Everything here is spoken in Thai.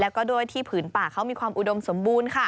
แล้วก็ด้วยที่ผืนป่าเขามีความอุดมสมบูรณ์ค่ะ